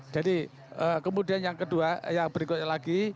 jadi kemudian yang berikutnya lagi